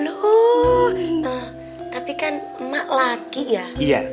loh tapi kan emak lagi ya